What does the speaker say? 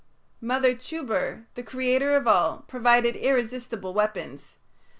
Mother Chuber, the creator of all, provided irresistible weapons.